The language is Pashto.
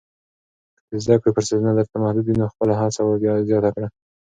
که د زده کړې فرصتونه درته محدود وي، نو خپله هڅه زیاته کړه.